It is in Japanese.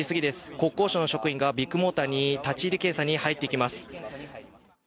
国交省の職員がビッグモーターに立ち入り検査に入ってきます